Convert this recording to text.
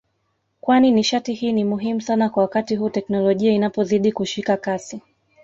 kwani nishati hii ni muhimu sana kwa wakati huu teknolojia inapozidi kushika kasi